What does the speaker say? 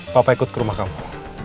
papa ikut ke rumah kamu